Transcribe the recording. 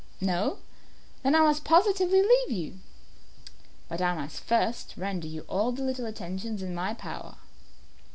No? Then I must positively leave you. But I must first render you all the little attentions in my power."